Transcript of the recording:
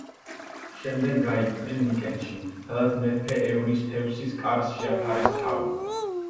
შემდეგ გაიქცნენ მიკენში, სადაც მეფე ევრისთევსის კარს შეაფარეს თავი.